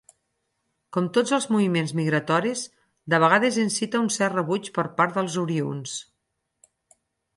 Com tots els moviments migratoris, de vegades incita un cert rebuig per part dels oriünds.